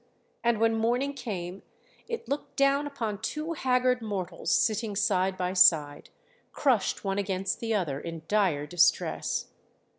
And when morning came it looked down upon two haggard mortals sitting side by side, crushed one against the other, in dire distress.